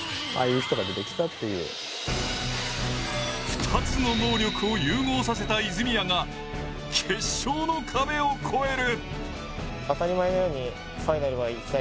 ２つの能力を融合させた泉谷が決勝の壁を越える。